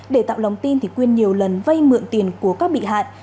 để tạo lòng tin thì quyên nhiều lần vây mượn tiền của các bị hạn